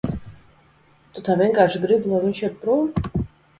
Tu tā vienkārši gribi, lai viņš iet prom?